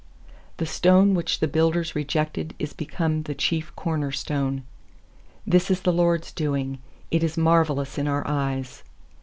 stone which the builders re jected Is become the chief corner stone. is the LORD'S doing; It is marvellous in our eyes.